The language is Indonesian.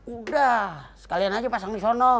udah sekalian aja pasang di sono